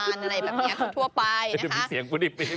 อะไรแบบเนี่ยทั่วไปนะคะ